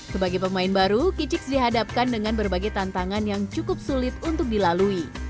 sebagai pemain baru kicix dihadapkan dengan berbagai tantangan yang cukup sulit untuk dilalui